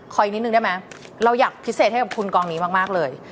อีกนิดนึงได้ไหมเราอยากพิเศษให้กับคุณกองนี้มากเลย